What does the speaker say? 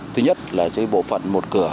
thứ nhất là bộ phận một cửa